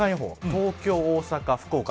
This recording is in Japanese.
東京、大阪、福岡